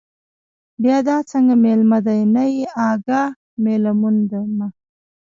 بیا دا څنگه مېلمه دے، نه يې اگاه، مېلمون مه